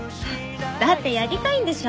だってやりたいんでしょ？